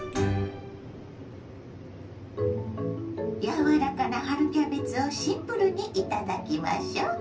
柔らかな春キャベツをシンプルにいただきましょ。